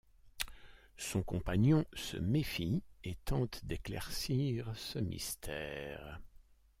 Son compagnon se méfie et tente d'éclaircir ce mystère.